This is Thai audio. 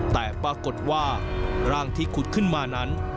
แต่ปรากฏว่าร่างที่ขุดขึ้นมานั้น